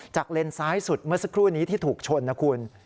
เลนซ้ายสุดเมื่อสักครู่นี้ที่ถูกชนนะคุณ